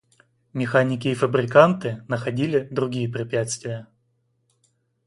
Механики и фабриканты находили другие препятствия.